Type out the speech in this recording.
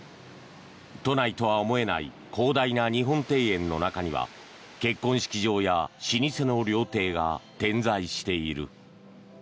都内とは思えない広大な日本庭園の中には結婚式場や老舗の料亭が点在している。